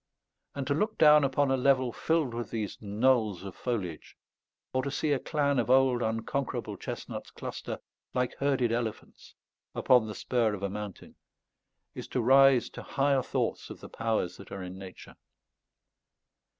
And to look down upon a level filled with these knolls of foliage, or to see a clan of old unconquerable chestnuts cluster "like herded elephants" upon the spur of a mountain, is to rise to higher thoughts of the powers that are in Nature.